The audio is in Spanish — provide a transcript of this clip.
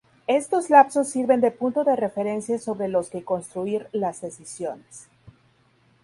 Estos lapsos sirven de punto de referencia sobre los que construir las decisiones.